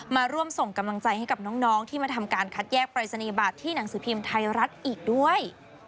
มาร่วมส่งกำลังใจให้กับน้องที่มาทำการคัดแยกปรายศนียบัตรที่หนังสือพิมพ์ไทยรัฐอีกด้วย